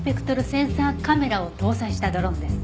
センサーカメラを搭載したドローンです。